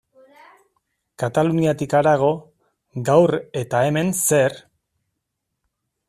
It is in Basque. Kataluniatik harago, gaur eta hemen, zer?